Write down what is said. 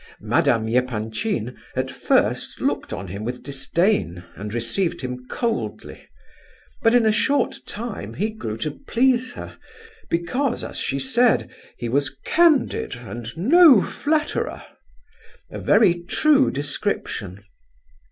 Madame Epanchin at first looked on him with disdain, and received him coldly, but in a short time he grew to please her, because, as she said, he "was candid and no flatterer"—a very true description.